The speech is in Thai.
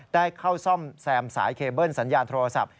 ได้เข้าซ่อมแซมสายเคเบิ้ลสัญญาณโทรศัพท์